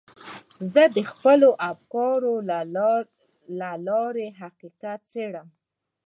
زه د خپلو افکارو له لارې حقیقت څېړم.